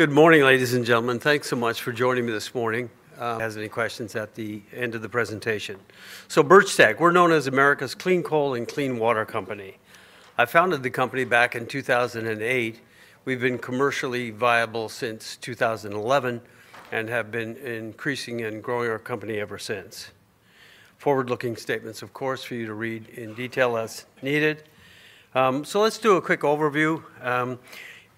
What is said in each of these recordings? Good morning, ladies and gentlemen. Thanks so much for joining me this morning. Has any questions at the end of the presentation. Birchtech, we're known as America's Clean Coal and Clean Water Company. I founded the company back in 2008. We've been commercially viable since 2011 and have been increasing and growing our company ever since. Forward-looking statements, of course, for you to read in detail as needed. Let's do a quick overview.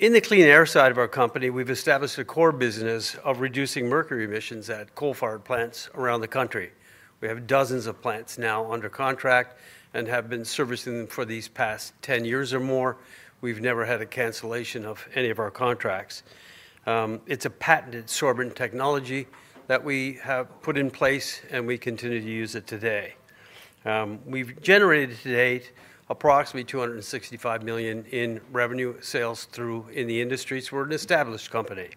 In the clean air side of our company, we've established a core business of reducing mercury emissions at coal-fired plants around the country. We have dozens of plants now under contract and have been servicing them for these past 10 years or more. We've never had a cancellation of any of our contracts. It's a patented sorbent technology that we have put in place, and we continue to use it today. We've generated to date approximately $265 million in revenue sales through in the industry, so we're an established company.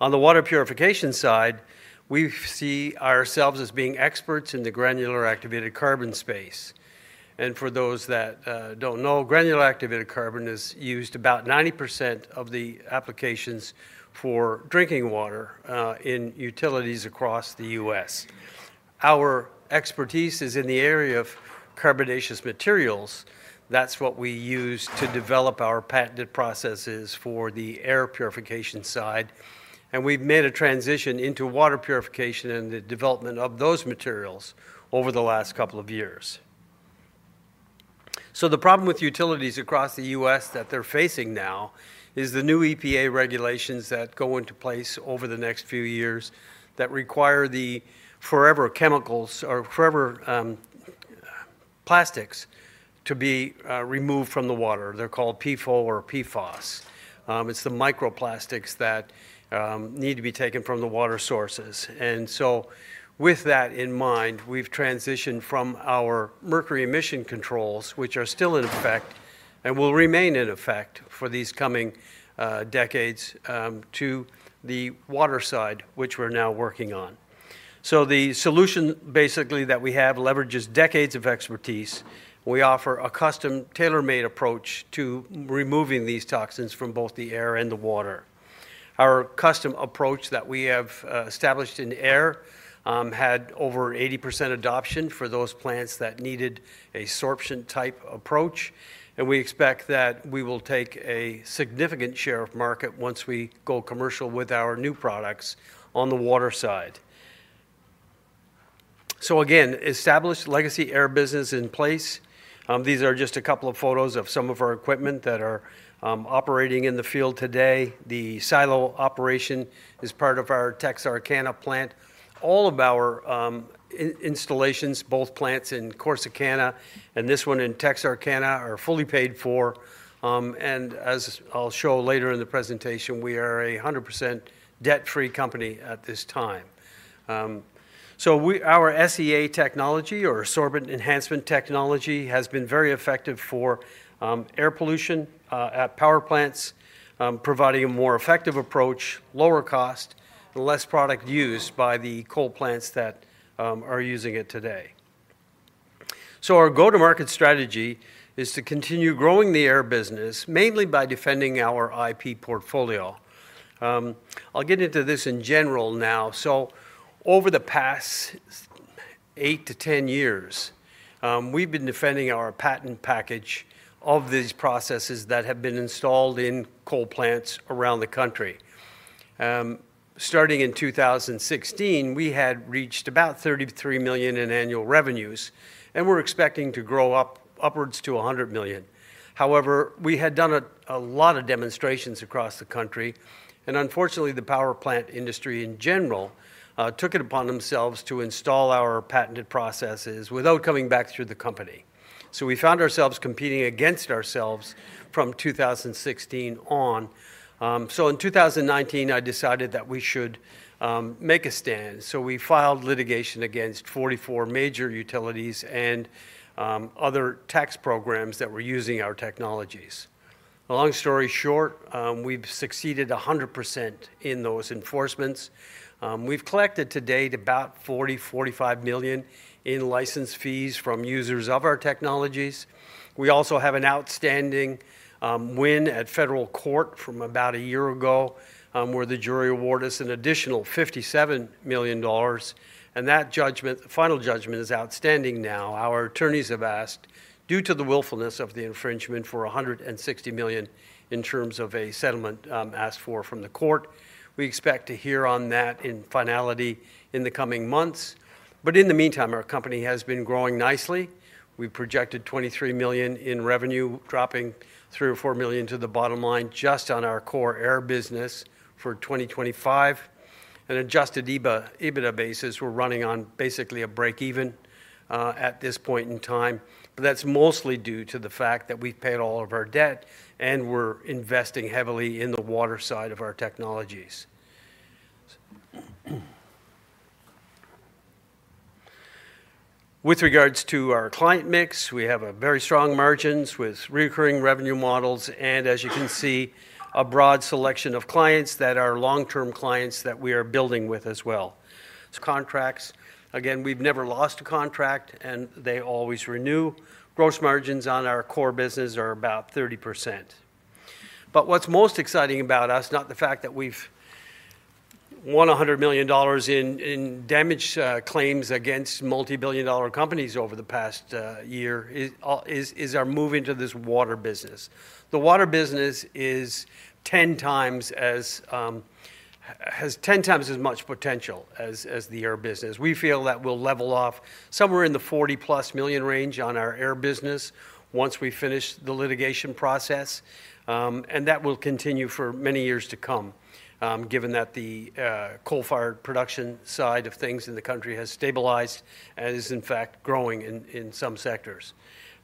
On the water purification side, we see ourselves as being experts in the granular activated carbon space. And for those that don't know, granular activated carbon is used about 90% of the applications for drinking water in utilities across the US. Our expertise is in the area of carbonaceous materials. That's what we use to develop our patented processes for the air purification side. We've made a transition into water purification and the development of those materials over the last couple of years. The problem with utilities across the US that they're facing now is the new EPA regulations that go into place over the next few years that require the forever chemicals or forever plastics to be removed from the water. They're called PFOS or PFAS. It's the microplastics that need to be taken from the water sources. With that in mind, we've transitioned from our mercury emission controls, which are still in effect and will remain in effect for these coming decades, to the water side, which we're now working on. The solution, basically, that we have leverages decades of expertise. We offer a custom, tailor-made approach to removing these toxins from both the air and the water. Our custom approach that we have established in air had over 80% adoption for those plants that needed a sorption-type approach. We expect that we will take a significant share of market once we go commercial with our new products on the water side. Again, established legacy air business in place. These are just a couple of photos of some of our equipment that are operating in the field today. The silo operation is part of our Texarkana plant. All of our installations, both plants in Corsicana and this one in Texarkana, are fully paid for. As I'll show later in the presentation, we are a 100% debt-free company at this time. Our SEA technology, or sorbent enhancement technology, has been very effective for air pollution at power plants, providing a more effective approach, lower cost, and less product used by the coal plants that are using it today. Our go-to-market strategy is to continue growing the air business, mainly by defending our IP portfolio. I'll get into this in general now. Over the past 8-10 years, we've been defending our patent package of these processes that have been installed in coal plants around the country. Starting in 2016, we had reached about $33 million in annual revenues, and we're expecting to grow upwards to $100 million. However, we had done a lot of demonstrations across the country, and unfortunately, the power plant industry in general took it upon themselves to install our patented processes without coming back through the company. We found ourselves competing against ourselves from 2016 on. In 2019, I decided that we should make a stand. We filed litigation against 44 major utilities and other tax programs that were using our technologies. Long story short, we've succeeded 100% in those enforcements. We've collected to date about $40 to 45 million in license fees from users of our technologies. We also have an outstanding win at federal court from about a year ago, where the jury awarded us an additional $57 million. That judgment, the final judgment, is outstanding now. Our attorneys have asked, due to the willfulness of the infringement, for $160 million in terms of a settlement asked for from the court. We expect to hear on that in finality in the coming months. In the meantime, our company has been growing nicely. We projected $23 million in revenue, dropping $3 or 4 million to the bottom line just on our core air business for 2025. On an adjusted EBITDA basis, we're running on basically a break-even at this point in time. That is mostly due to the fact that we've paid all of our debt and we're investing heavily in the water side of our technologies. With regards to our client mix, we have very strong margins with recurring revenue models, and as you can see, a broad selection of clients that are long-term clients that we are building with as well. Contracts. Again, we've never lost a contract, and they always renew. Gross margins on our core business are about 30%. What's most exciting about us, not the fact that we've won $100 million in damage claims against multi-billion dollar companies over the past year, is our move into this water business. The water business has 10 times as much potential as the air business. We feel that we'll level off somewhere in the $40 million-plus range on our air business once we finish the litigation process. That will continue for many years to come, given that the coal-fired production side of things in the country has stabilized and is, in fact, growing in some sectors.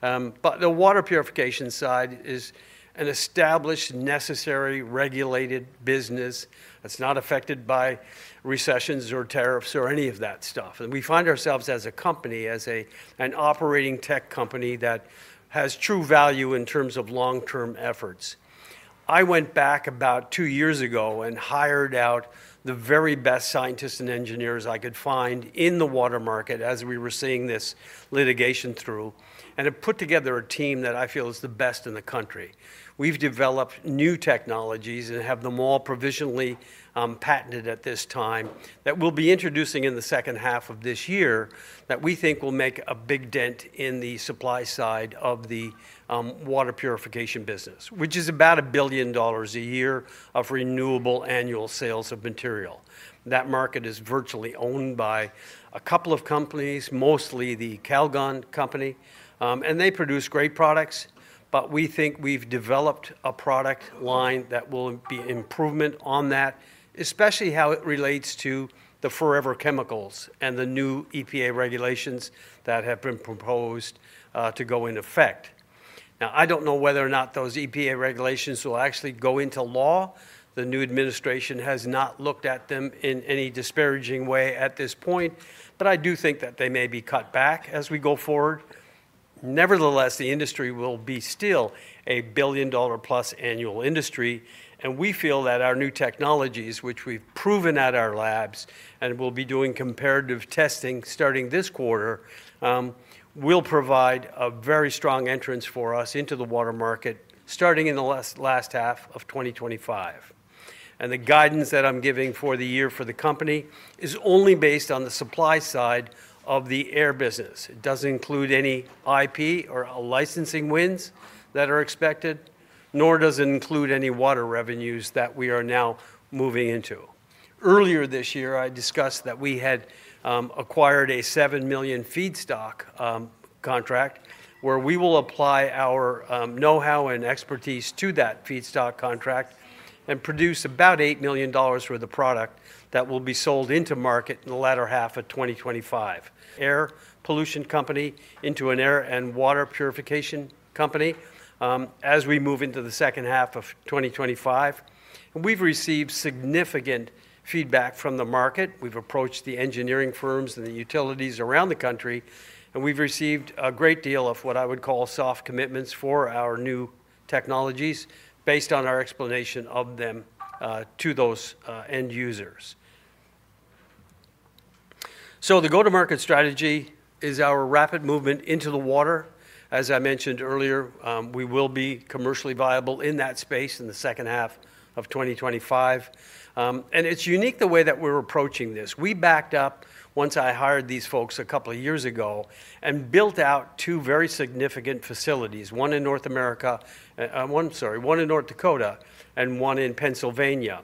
The water purification side is an established, necessary, regulated business that's not affected by recessions or tariffs or any of that stuff. We find ourselves as a company, as an operating tech company, that has true value in terms of long-term efforts. I went back about two years ago and hired out the very best scientists and engineers I could find in the water market as we were seeing this litigation through, and have put together a team that I feel is the best in the country. We've developed new technologies and have them all provisionally patented at this time that we'll be introducing in the second half of this year that we think will make a big dent in the supply side of the water purification business, which is about $1 billion a year of renewable annual sales of material. That market is virtually owned by a couple of companies, mostly the Calgon company. They produce great products. We think we've developed a product line that will be an improvement on that, especially how it relates to the forever chemicals and the new EPA regulations that have been proposed to go in effect. Now, I don't know whether or not those EPA regulations will actually go into law. The new administration has not looked at them in any disparaging way at this point. I do think that they may be cut back as we go forward. Nevertheless, the industry will be still a $1 billion-plus annual industry. We feel that our new technologies, which we've proven at our labs and we'll be doing comparative testing starting this quarter, will provide a very strong entrance for us into the water market starting in the last half of 2025. The guidance that I'm giving for the year for the company is only based on the supply side of the air business. It doesn't include any IP or licensing wins that are expected, nor does it include any water revenues that we are now moving into. Earlier this year, I discussed that we had acquired a $7 million feedstock contract where we will apply our know-how and expertise to that feedstock contract and produce about $8 million worth of product that will be sold into market in the latter half of 2025. Air pollution company into an air and water purification company as we move into the second half of 2025. We have received significant feedback from the market. We have approached the engineering firms and the utilities around the country. We have received a great deal of what I would call soft commitments for our new technologies based on our explanation of them to those end users. The go-to-market strategy is our rapid movement into the water. As I mentioned earlier, we will be commercially viable in that space in the second half of 2025. It is unique the way that we are approaching this. We backed up, once I hired these folks a couple of years ago, and built out two very significant facilities: one in North Dakota and one in Pennsylvania.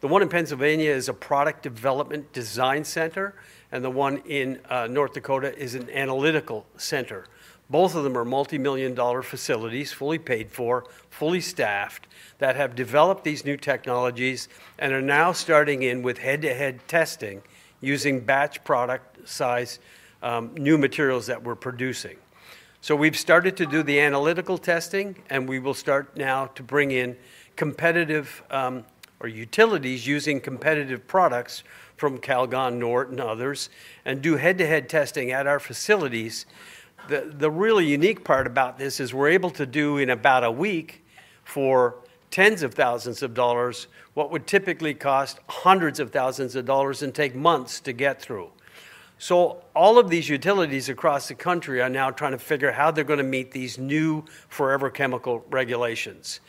The one in Pennsylvania is a product development design center, and the one in North Dakota is an analytical center. Both of them are multi-million dollar facilities, fully paid for, fully staffed, that have developed these new technologies and are now starting in with head-to-head testing using batch product-sized new materials that we're producing. We have started to do the analytical testing, and we will start now to bring in competitive utilities using competitive products from Calgon, Norit, and others, and do head-to-head testing at our facilities. The really unique part about this is we're able to do in about a week for tens of thousands of dollars what would typically cost hundreds of thousands of dollars and take months to get through. All of these utilities across the country are now trying to figure out how they're going to meet these new forever chemical regulations.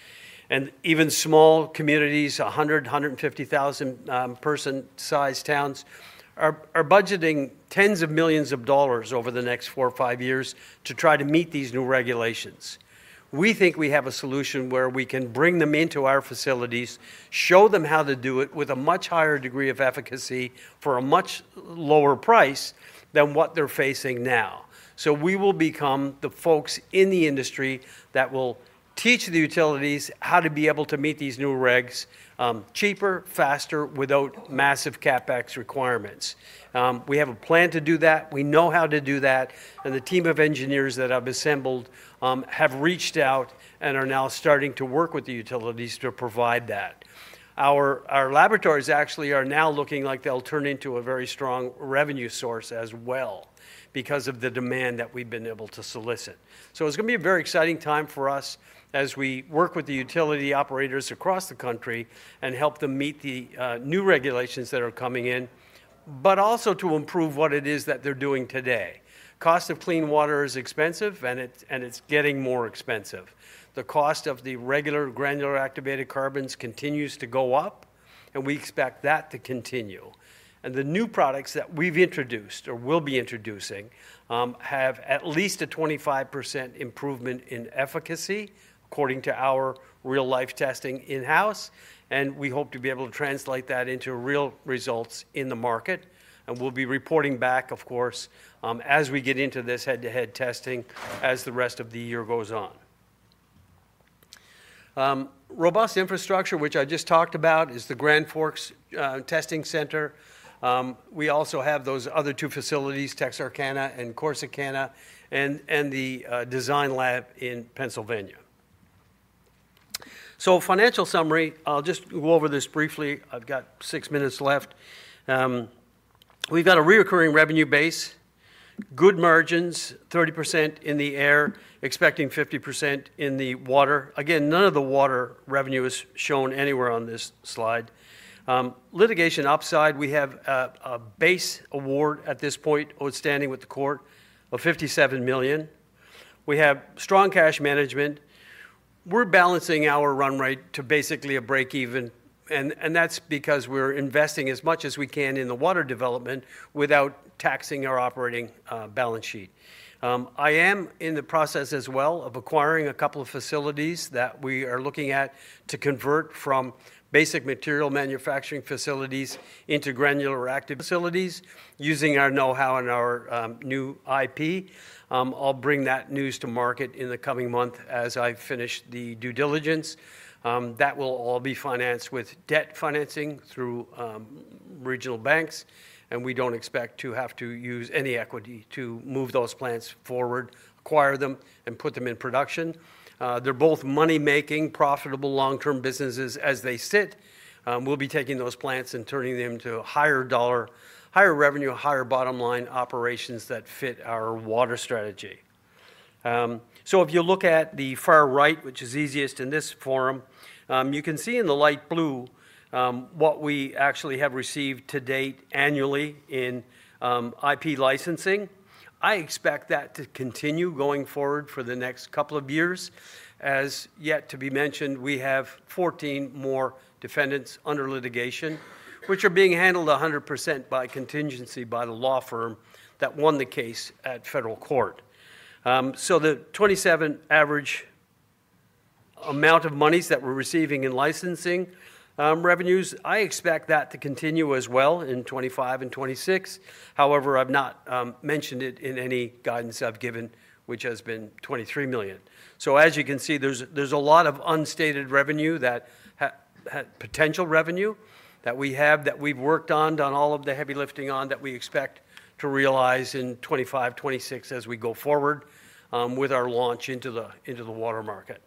Even small communities, 100,000 to 150,000-person-sized towns, are budgeting tens of millions of dollars over the next four or five years to try to meet these new regulations. We think we have a solution where we can bring them into our facilities, show them how to do it with a much higher degree of efficacy for a much lower price than what they're facing now. We will become the folks in the industry that will teach the utilities how to be able to meet these new regs cheaper, faster, without massive CapEx requirements. We have a plan to do that. We know how to do that. The team of engineers that I've assembled have reached out and are now starting to work with the utilities to provide that. Our laboratories actually are now looking like they'll turn into a very strong revenue source as well because of the demand that we've been able to solicit. It is going to be a very exciting time for us as we work with the utility operators across the country and help them meet the new regulations that are coming in, but also to improve what it is that they're doing today. Cost of clean water is expensive, and it's getting more expensive. The cost of the regular granular activated carbons continues to go up, and we expect that to continue. The new products that we've introduced or will be introducing have at least a 25% improvement in efficacy, according to our real-life testing in-house. We hope to be able to translate that into real results in the market. We will be reporting back, of course, as we get into this head-to-head testing as the rest of the year goes on. Robust infrastructure, which I just talked about, is the Grand Forks Testing Center. We also have those other two facilities, Texarkana and Corsicana, and the design lab in Pennsylvania. Financial summary. I will just go over this briefly. I have six minutes left. We have a reoccurring revenue base, good margins, 30% in the air, expecting 50% in the water. Again, none of the water revenue is shown anywhere on this slide. Litigation upside. We have a base award at this point outstanding with the court of $57 million. We have strong cash management. We are balancing our run rate to basically a break-even. That is because we are investing as much as we can in the water development without taxing our operating balance sheet. I am in the process as well of acquiring a couple of facilities that we are looking at to convert from basic material manufacturing facilities into granular activated facilities, using our know-how and our new IP. I'll bring that news to market in the coming month as I finish the due diligence. That will all be financed with debt financing through regional banks. We don't expect to have to use any equity to move those plants forward, acquire them, and put them in production. They're both money-making, profitable long-term businesses as they sit. We will be taking those plants and turning them to higher revenue, higher bottom line operations that fit our water strategy. If you look at the far right, which is easiest in this forum, you can see in the light blue what we actually have received to date annually in IP licensing. I expect that to continue going forward for the next couple of years. As yet to be mentioned, we have 14 more defendants under litigation, which are being handled 100% by contingency by the law firm that won the case at federal court. So, the $27 average amount of monies that we're receiving in licensing revenues, I expect that to continue as well in 2025 and 2026. However, I've not mentioned it in any guidance I've given, which has been $23 million. As you can see, there's a lot of unstated revenue, potential revenue that we have that we've worked on, done all of the heavy lifting on that we expect to realize in 2025, 2026 as we go forward with our launch into the water market.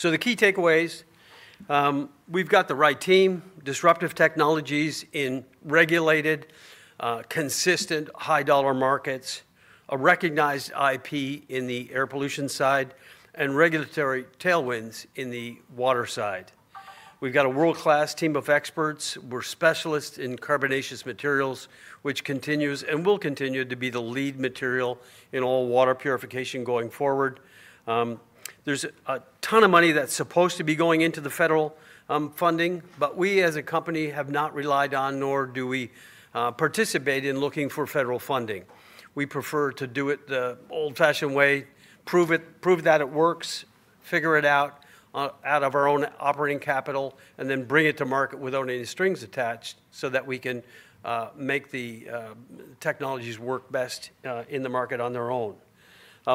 The key takeaways. We've got the right team, disruptive technologies in regulated, consistent, high-dollar markets, a recognized IP in the air pollution side, and regulatory tailwinds in the water side. We've got a world-class team of experts. We're specialists in carbonaceous materials, which continues and will continue to be the lead material in all water purification going forward. There's a ton of money that's supposed to be going into the federal funding, but we as a company have not relied on, nor do we participate in looking for federal funding. We prefer to do it the old-fashioned way, prove that it works, figure it out out of our own operating capital, and then bring it to market with only any strings attached so that we can make the technologies work best in the market on their own.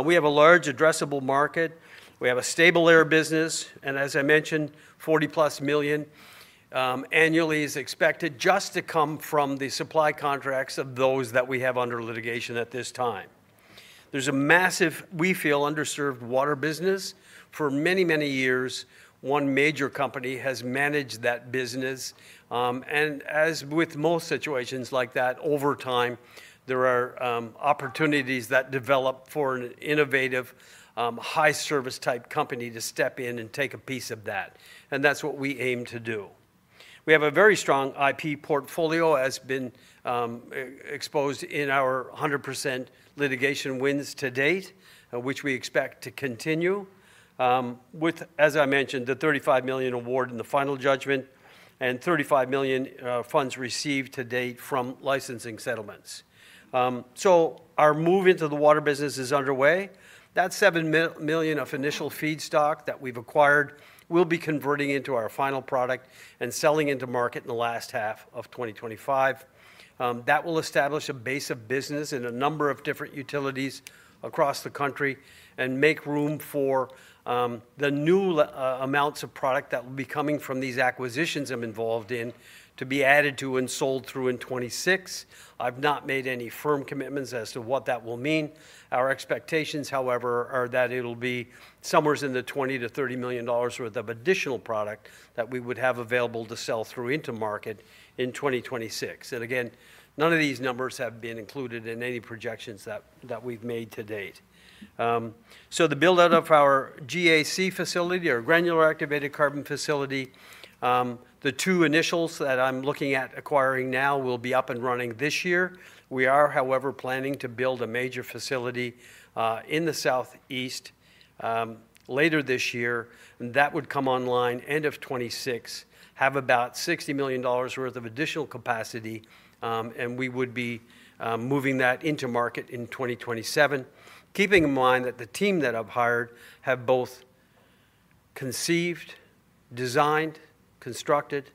We have a large, addressable market. We have a stable air business. As I mentioned, $40 million-plus annually is expected just to come from the supply contracts of those that we have under litigation at this time. There is a massive, we feel, underserved water business. For many, many years, one major company has managed that business. As with most situations like that, over time, there are opportunities that develop for an innovative, high-service type company to step in and take a piece of that. That is what we aim to do. We have a very strong IP portfolio, as has been exposed in our 100% litigation wins to date, which we expect to continue, with, as I mentioned, the $35 million award in the final judgment and $35 million funds received to date from licensing settlements. Our move into the water business is underway. That $7 million of initial feedstock that we've acquired will be converting into our final product and selling into market in the last half of 2025. That will establish a base of business in a number of different utilities across the country and make room for the new amounts of product that will be coming from these acquisitions I'm involved in to be added to and sold through in 2026. I've not made any firm commitments as to what that will mean. Our expectations, however, are that it'll be somewhere in the $20 to 30 million worth of additional product that we would have available to sell through into market in 2026. Again, none of these numbers have been included in any projections that we've made to date. The build-out of our GAC facility, our granular activated carbon facility, the two initials that I'm looking at acquiring now will be up and running this year. We are, however, planning to build a major facility in the southeast later this year. That would come online end of 2026, have about $60 million worth of additional capacity. We would be moving that into market in 2027, keeping in mind that the team that I've hired have both conceived, designed, constructed,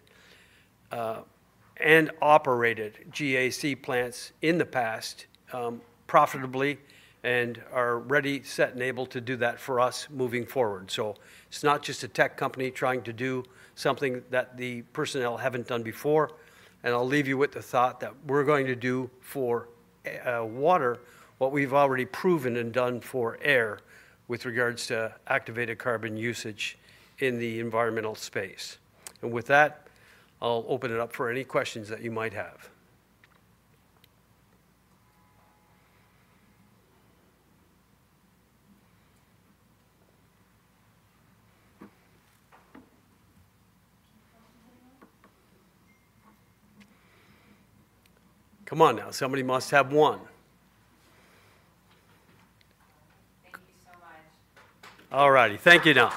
and operated GAC plants in the past profitably and are ready, set, and able to do that for us moving forward. It is not just a tech company trying to do something that the personnel have not done before. I'll leave you with the thought that we're going to do for water what we've already proven and done for air with regards to activated carbon usage in the environmental space. With that, I'll open it up for any questions that you might have. Come on now. Somebody must have one. Thank you so much. All righty. Thank you now.